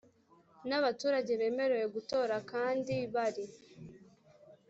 n abaturage bemerewe gutora kandi bari